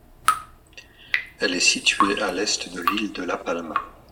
Elle est située à l'est de l'île de La Palma.